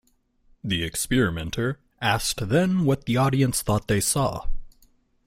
The experimenter asked then what the audience thought they saw.